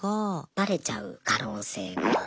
バレちゃう可能性が。